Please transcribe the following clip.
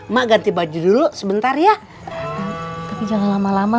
maganti baju dulu sebentar ya tapi jangan lama lama